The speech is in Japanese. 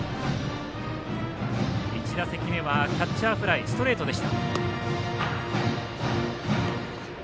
１打席目はキャッチャーフライストレートでした。